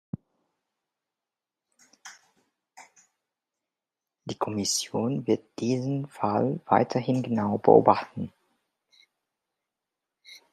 Die Kommission wird diesen Fall weiterhin genau beobachten.